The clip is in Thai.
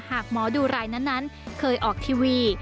หากหมอดูไลนนั้นเคยออกทีวี